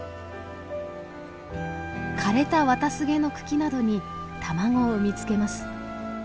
枯れたワタスゲの茎などに卵を産み付けます。